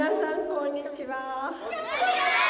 こんにちは！